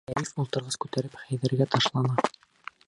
Шәриф ултырғыс күтәреп Хәйҙәргә ташлана.